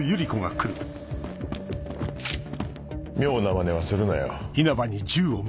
妙なまねはするなよ。